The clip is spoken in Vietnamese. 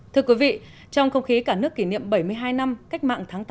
thưa quý vị trong không khí cả nước kỷ niệm bảy mươi hai năm cách mạng tháng tám